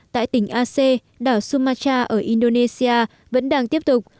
tại tỉnh aceh đảo sumatra ở indonesia vẫn đang tiếp tục